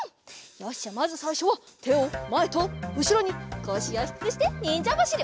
よしまずさいしょはてをまえとうしろにこしをひくくしてにんじゃばしり。